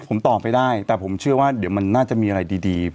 ผมตอบไม่ได้แต่ผมเชื่อว่าเดี๋ยวมันน่าจะมีอะไรดี